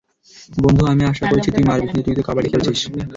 বন্ধু, আমি আশা করেছি তুই মারবি কিন্তু তুই তো কাবাডি খেলছিস।